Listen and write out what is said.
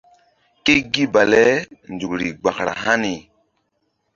Ke gi bale nzukri gbara hani.